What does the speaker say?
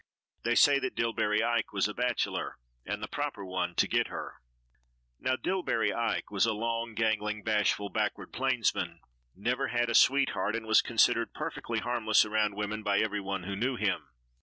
They said that Dillbery Ike was a bachelor and the proper one to get her. [Illustration: The Arrival of Miss "Sarer."] Now Dillbery Ike was a long, gangling, bashful, backward plainsman, never had a sweetheart and was considered perfectly harmless around women by every one who knew him.